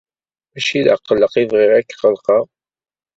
Mačči d aqelleq i bɣiɣ ad k-qellqeɣ.